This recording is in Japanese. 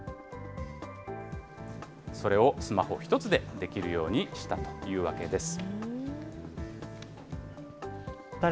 それをスマホ一つでできるようにしたというわけです。